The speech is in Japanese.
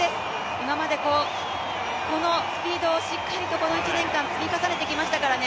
今までこのスピードをしっかりこの１年間、積み重ねてきましたからね。